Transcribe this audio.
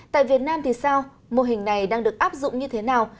tại việt nam thì sao mô hình này đang được áp dụng như thế nào